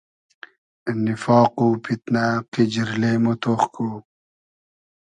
نیفاق و پیتنۂ , قیجیرلې مۉ تۉخ کو